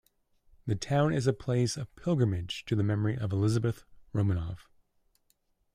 The town is a place of pilgrimage to the memory of Elizabeth Romanov.